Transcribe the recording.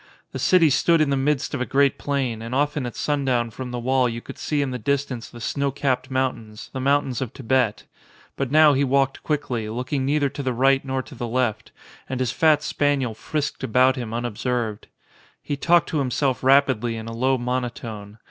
The ■city stood in the midst of a great plain and often at sundown from the wall you could see in the distance the snow capped mountains, the moun tains of Tibet; but now he walked quickly, look ing neither to the right nor to the left, and his fat spaniel frisked about him unobserved. He talked to himself rapidly in a low monotone.